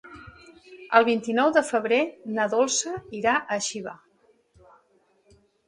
El vint-i-nou de febrer na Dolça irà a Xiva.